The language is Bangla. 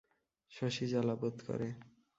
শশী জ্বালা বোধ করে।